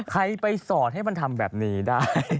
ใครไปสอนให้มันทำแบบนี้ได้